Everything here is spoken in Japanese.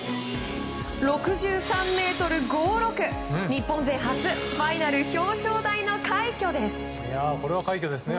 日本勢初ファイナル表彰台の快挙です。